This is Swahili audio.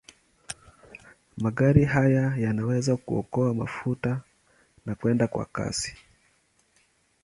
Magari haya yanaweza kuokoa mafuta na kwenda kwa kasi.